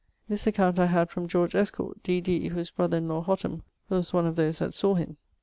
This account I had from George Estcourt, D.D., whose brother in lawe, ... Hotham, was one of those that sawe him.